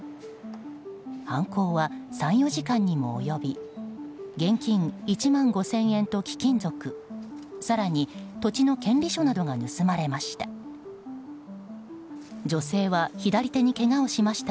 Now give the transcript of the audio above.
犯行は３４時間にも及び現金１万５０００円と貴金属更に、土地の権利書などが盗まれました。